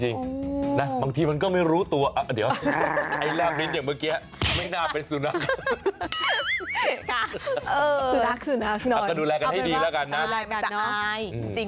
ใช่มันจะอายจริงก็เลยต้องใส่เสื้อให้มันจะไม่อายจริง